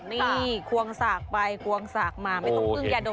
นี่ควงสากไปควงสากมาไม่ต้องพึ่งยาดมือทีเดียว